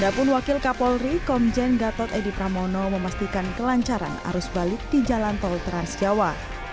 ada pun wakil kapolri komjen gatot edi pramono memastikan kelancaran arus balik di jalan tol trans jawa